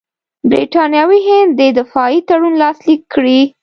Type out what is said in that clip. برټانوي هند دې دفاعي تړون لاسلیک کړي.